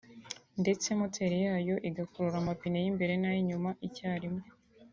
ndetse moteri yayo igakurura amapine y’imbere n’ay’inyuma icya rimwe